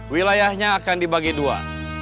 wilayahnya akan dibagi dua